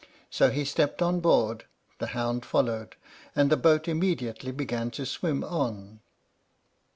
So he stepped on board, the hound followed, and the boat immediately began to swim on.